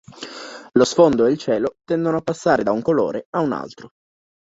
Lo sfondo e il cielo tendono a passare da un colore a un altro.